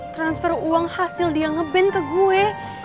transfer uang hasil dia nge ban ke gue